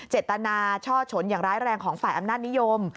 เจตนาช่อฉนอย่างร้ายแรงของฝ่ายอำนาจนิยม